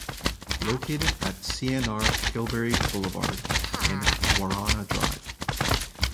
Located at Cnr Kilberry Boulevard and Warana Drive.